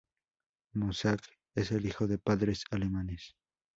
Mossack es el hijo de padres alemanes.